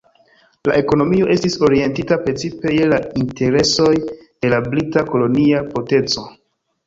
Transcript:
La ekonomio estis orientita precipe je la interesoj de la brita kolonia potenco.